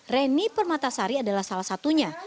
reni permatasari adalah salah satunya